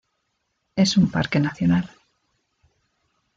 Es un parque nacional.